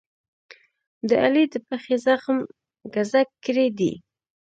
د علي د پښې زخم ګذک کړی دی.